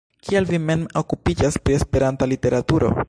Kial vi mem okupiĝas pri Esperanta literaturo?